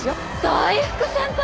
大福先輩？